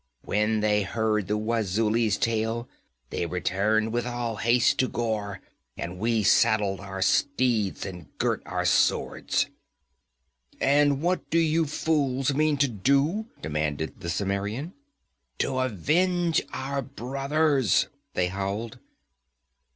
When they heard the Wazuli's tale, they returned with all haste to Ghor, and we saddled our steeds and girt our swords!' 'And what do you fools mean to do?' demanded the Cimmerian. 'To avenge our brothers!' they howled.